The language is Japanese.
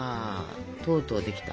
とうとうできた。